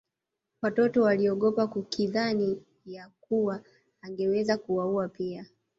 Watoto waliogopa wakidhani ya kuwa angeweza kuwaua pia